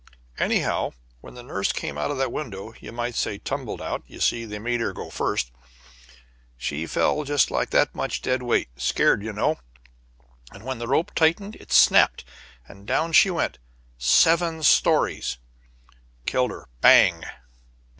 Anyhow, when the nurse came out of that window, you might say tumbled out (you see, they made her go first), she just fell like that much dead weight, scared, you know, and when the rope tightened it snapped, and down she went, seven stories killed her bang.